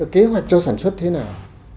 kế hoạch cho sản xuất thế nào